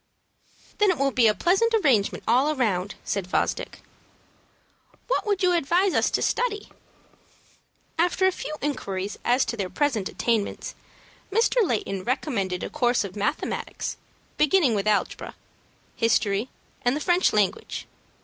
"Then it will be a pleasant arrangement all round," said Fosdick. "What would you advise us to study?" After a few inquiries as to their present attainments, Mr. Layton recommended a course of mathematics, beginning with algebra, history, and the French language.